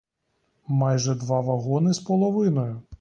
Майже два вагони з половиною.